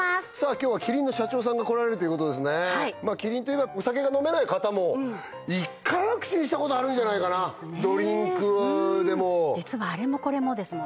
今日はキリンの社長さんが来られるということですねキリンといえばお酒が飲めない方も１回は口にしたことあるんじゃないかなドリンクでも実はあれもこれもですもんね